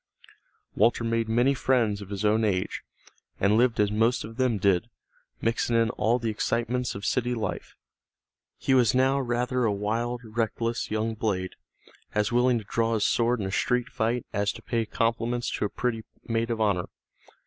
Walter made many friends of his own age, and lived as most of them did, mixing in all the excitements of city life. He was now rather a wild, reckless young blade, as willing to draw his sword in a street fight as to pay compliments to a pretty maid of honor.